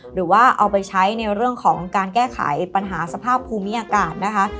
หรือว่าเอาไปใช้ในเรื่องของการแก้ไขปัญหาสภาพภูมิอากาศนะคะ